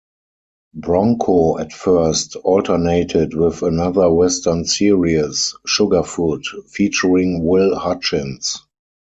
"Bronco" at first alternated with another Western series, "Sugarfoot", featuring Will Hutchins.